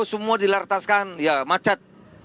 semua dilartaskan ya macet